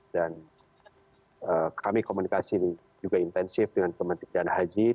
dan kami komunikasi juga intensif dengan kementerian haji